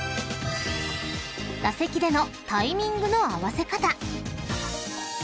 ［打席でのタイミングの合わせ方］